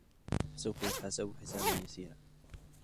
فَسَوْفَ يُحَاسَبُ حِسَابًا يَسِيرًا